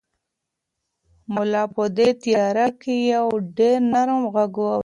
ملا په دې تیاره کې یو ډېر نرم غږ واورېد.